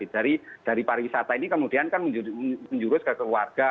dari pariwisata ini kemudian kan menjurus ke keluarga